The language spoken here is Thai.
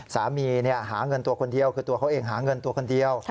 หาเงินตัวคนเดียวคือตัวเขาเองหาเงินตัวคนเดียว